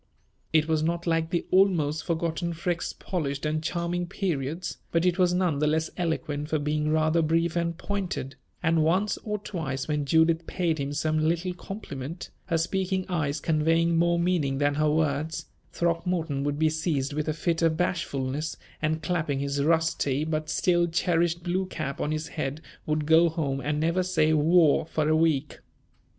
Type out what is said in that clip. It was not like the almost forgotten Freke's polished and charming periods, but it was none the less eloquent for being rather brief and pointed; and once or twice when Judith paid him some little compliment, her speaking eyes conveying more meaning than her words, Throckmorton would be seized with a fit of bashfulness, and clapping his rusty but still cherished blue cap on his head would go home and never say "war" for a week.